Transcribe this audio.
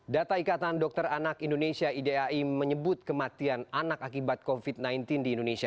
data ikatan dokter anak indonesia idai menyebut kematian anak akibat covid sembilan belas di indonesia